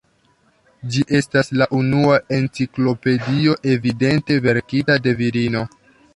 Ĝi estas la unua enciklopedio evidente verkita de virino.